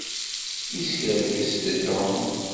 Iskerkes-d Tom.